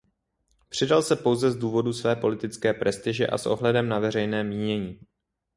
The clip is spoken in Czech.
Přidal se pouze z důvodu své politické prestiže a s ohledem na veřejné mínění.